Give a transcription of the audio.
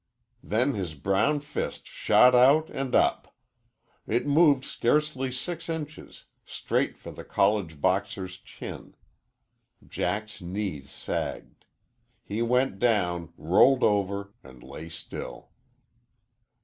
Then his brown fist shot out and up. It moved scarcely six inches, straight for the college boxer's chin. Jack's knees sagged. He went down, rolled over, and lay still.